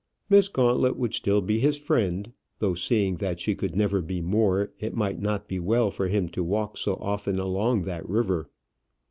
Miss Gauntlet would still be his friend; though seeing that she could never be more, it might not be well for him to walk so often along that river.